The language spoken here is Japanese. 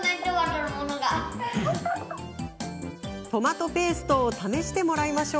トマトペーストを試してもらいます。